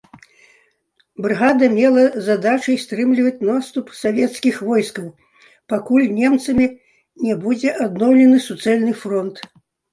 Брыгада мела задачай стрымліваць наступ савецкіх войскаў, пакуль немцамі не будзе адноўлены суцэльны фронт.